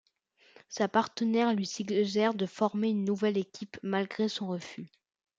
Sa partenaire lui suggère de former une nouvelle équipe malgré son refus.